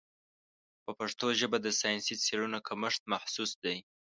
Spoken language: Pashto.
په پښتو ژبه د ساینسي څېړنو کمښت محسوس دی.